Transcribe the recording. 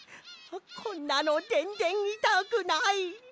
こんなのぜんぜんいたくない！